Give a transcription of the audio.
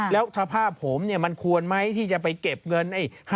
แล้วสภาพผมมันควรไหมที่จะไปเก็บเงิน